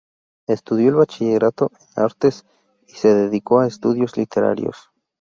Estudió el bachillerato en artes y se dedicó a estudios literarios.